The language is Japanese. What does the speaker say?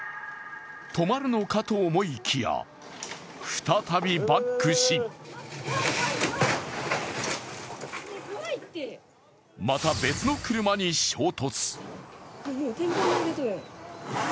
止まるのかと思いきや再びバックしまた別の車に衝突。